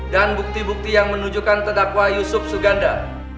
dan bukti bukti yang menunjukkan terdakwa yusuf suganda